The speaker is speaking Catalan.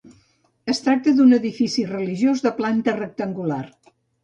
Es tracta d'un edifici religiós de planta rectangular.